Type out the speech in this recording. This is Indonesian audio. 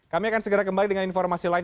kami akan segera kembali dengan informasi lain